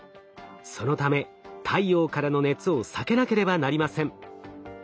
そのため太陽からの熱を避けなければなりません。